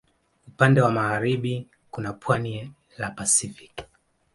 Upande wa magharibi kuna pwani la Pasifiki.